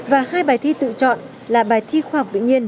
và hai bài thi tự chọn là bài thi khoa học tự nhiên